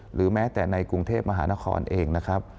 หรือแม้แต่ในกรุงเทพมหานครเองนะครับ